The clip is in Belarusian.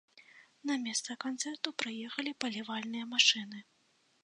На месца канцэрту прыехалі палівальныя машыны.